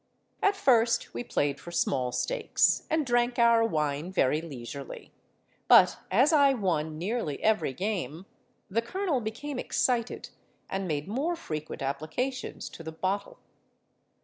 At first we played for small stakes, and drank our wine very leisurely; but as I won nearly every game, the colonel became excited, and made more frequent applications to the bottle.